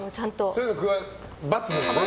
そういうのは？×ですね。